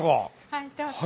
はいどうぞ。